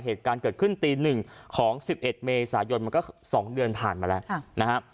เหตุการณ์เกิดขึ้นตี๑ของ๑๑เมษายนมันก็๒เดือนผ่านมาแล้วนะฮะ